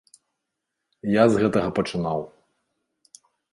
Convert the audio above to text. Я з гэтага пачынаў.